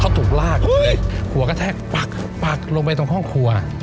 เขาถูกลากหัวกระแทกปักลงไปตรงห้องครัว